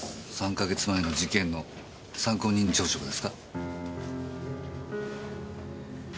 ３か月前の事件の参考人調書がですか？